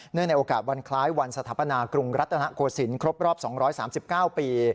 เนื่องในโอกาสวันคล้ายวันสถาปนากรุงรัฐนาควสินครบรอบ๒๓๙ปี